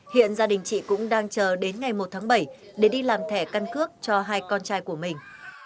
hiện gia đình chị cũng đang chờ đến ngày một tháng bảy để đi làm thẻ căn cước cho hai con trai của mình